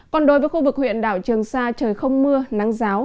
còn đối với khu vực huyện đảo trường sa trời không mưa nắng giáo